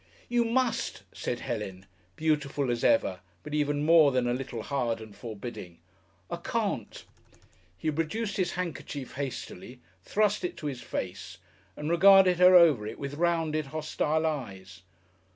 "You must," said Helen, beautiful as ever, but even more than a little hard and forbidding. "I can't." He produced his handkerchief hastily, thrust it to his face, and regarded her over it with rounded, hostile eyes.